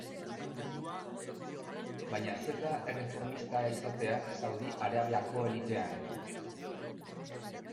Baina zer da erreformista izatea Saudi Arabiako elitean?